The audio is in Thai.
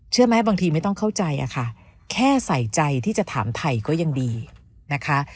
บางทีไม่ต้องเข้าใจอะค่ะแค่ใส่ใจที่จะถามไทยก็ยังดีนะคะ